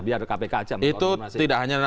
biar kpk aja betul tidak hanya